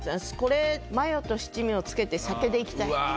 私これマヨと七味をつけて酒でいきたい。